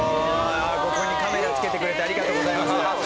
ここにカメラ付けてくれてありがとうございます。